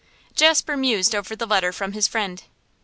Jasper mused over the letter from his friend.